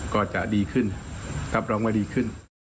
ก็จะดีขึ้นรับรองว่าดีขึ้น